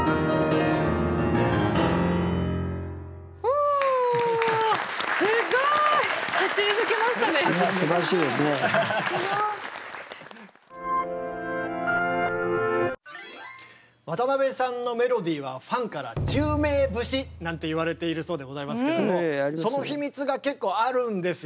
おぉすごい！渡辺さんのメロディーはファンからなんて言われているそうでございますけどもその秘密が結構あるんですよね。